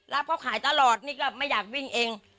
แล้วเขาขายตลอดนี่ก็ไม่อยากวิ่งเอง